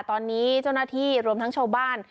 ตอนนี้เจ้าหน้าที่รวมทั้งชาวบ้าน